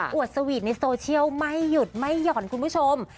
วดสวีทในโซเชียลไม่หยุดไม่หย่อนคุณผู้ชม